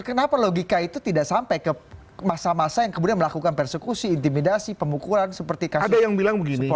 kalau kita tidak sampai ke masa masa yang kemudian melakukan persekusi intimidasi pemukulan seperti kasih supporter kemarin juga